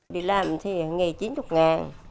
đi làm thì nghề chín chục ngàn